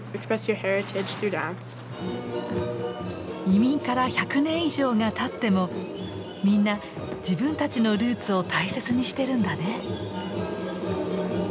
移民から１００年以上がたってもみんな自分たちのルーツを大切にしてるんだね。